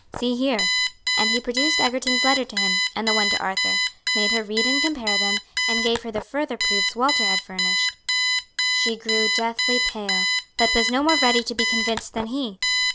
See here!" and he produced Egerton's letter to him, and the one to Arthur, made her read and compare them, and gave her the further proofs Walter had furnished. She grew deathly pale, but was no more ready to be convinced than he.